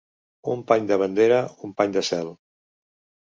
Un pany de bandera, un pany de cel.